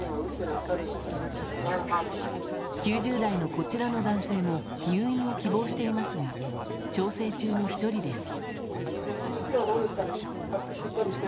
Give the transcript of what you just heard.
９０代のこちらの男性も入院を希望していますが調整中の１人です。